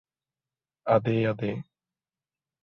അതേയതേ